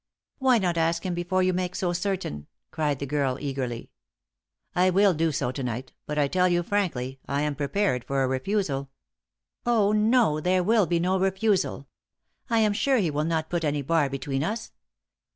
"Why not ask him before you make so certain?" cried the girl, eagerly. "I will do so to night, but I tell you frankly, I am prepared for a refusal." "Oh, no, there will be no refusal. I am sure he will not put any bar between us.